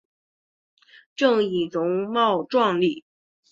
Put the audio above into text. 郑俨容貌壮丽。